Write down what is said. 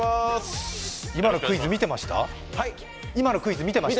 今のクイズ、見てました？